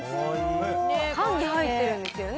缶に入ってるんですよね。